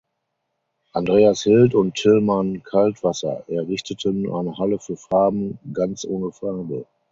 Andreas Hild und Tillmann Kaltwasser errichteten eine Halle für Farben ganz ohne Farbe.